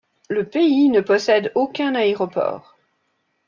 Le pays ne possède aucun aéroport.